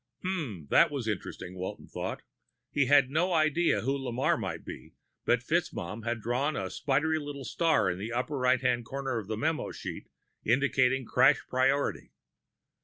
_ Hmm, that was interesting, Walton thought. He had no idea who Lamarre might be, but FitzMaugham had drawn a spidery little star in the upper right hand corner of the memo sheet, indicating crash priority.